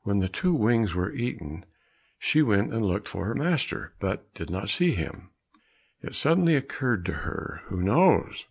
When the two wings were eaten, she went and looked for her master, and did not see him. It suddenly occurred to her, "Who knows?